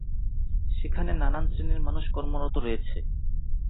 সেখানে নানান শ্রেনীর মানুষ কর্মরত রয়েছে।